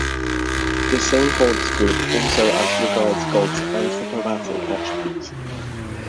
The same holds good also as regards God's anthropopathic attributes.